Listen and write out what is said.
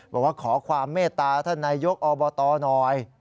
บอกว่าขอความเมตตาท่านนายยกอบตหน่อย